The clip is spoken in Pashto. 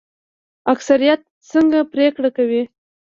اکثریت څنګه پریکړه کوي؟